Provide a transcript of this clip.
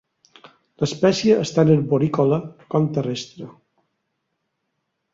L'espècie és tant arborícola com terrestre.